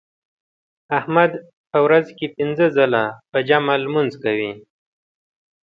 احمد په ورځ کې پینځه ځله په جمع لمونځ کوي.